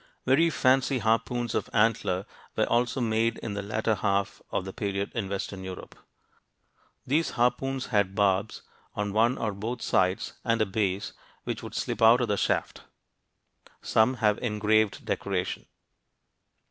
Very fancy harpoons of antler were also made in the latter half of the period in western Europe. These harpoons had barbs on one or both sides and a base which would slip out of the shaft (p. 82). Some have engraved decoration.